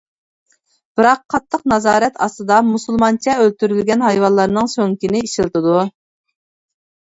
بىراق قاتتىق نازارەت ئاستىدا مۇسۇلمانچە ئۆلتۈرۈلگەن ھايۋانلارنىڭ سۆڭىكىنى ئىشلىتىدۇ.